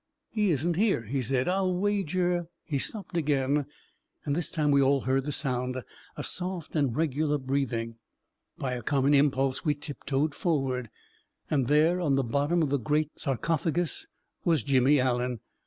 " He isn't here," he said. " I'll wager ..." A KING IN BABYLON 319 He stopped again, and this time we all heard the sound — a soft and regular breathing. By a common impulse, we tiptoed forward. And there, on the bottom of the great sarcophagus, was Jimmy Allen.